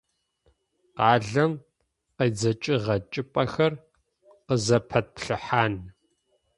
Къалэм къедзэкӏыгъэ чӏыпӏэхэр къызэпэтплъыхьан..